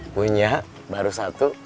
punya baru satu